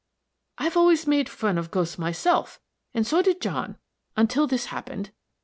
"I always made fun of ghosts, myself, and so did John, until this happened.